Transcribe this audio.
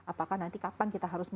apakah nanti kapan kita harus